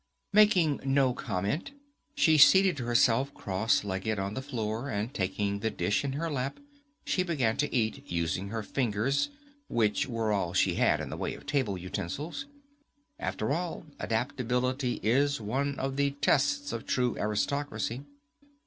Making no comment, she seated herself cross legged on the floor, and taking the dish in her lap, she began to eat, using her fingers, which were all she had in the way of table utensils. After all, adaptability is one of the tests of true aristocracy.